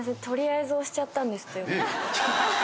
取りあえず押しちゃったんです。